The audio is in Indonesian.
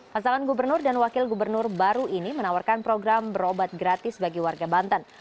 pasangan gubernur dan wakil gubernur baru ini menawarkan program berobat gratis bagi warga banten